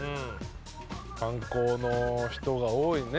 観光の人が多いね。